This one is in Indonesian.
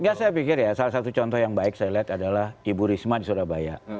enggak saya pikir ya salah satu contoh yang baik saya lihat adalah ibu risma di surabaya